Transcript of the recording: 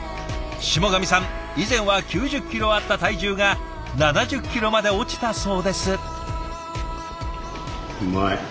霜上さん以前は９０キロあった体重が７０キロまで落ちたそうです。